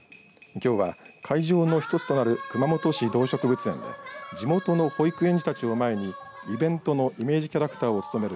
きょうは会場の一つとなる熊本市動植物園で地元の保育園児たちを前にイベントのイメージキャラクターを務める